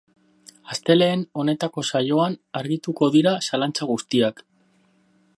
Astelehen honetako saioan argituko dira zalantza guztiak.